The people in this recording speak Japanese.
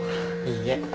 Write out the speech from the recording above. いいえ。